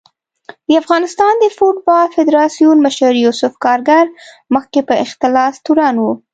د افغانستان د فوټبال فدارسیون مشر یوسف کارګر مخکې په اختلاس تورن و